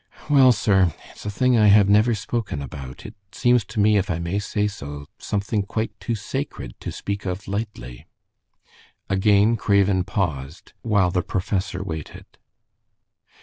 "Well, sir, it's a thing I have never spoken about. It seems to me, if I may say so, something quite too sacred to speak of lightly." Again Craven paused, while the professor waited.